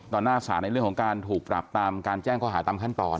หน้าศาลในเรื่องของการถูกปรับตามการแจ้งข้อหาตามขั้นตอน